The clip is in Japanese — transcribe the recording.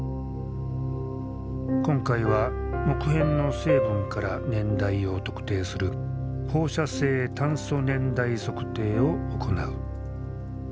今回は木片の成分から年代を特定する放射性炭素年代測定を行う。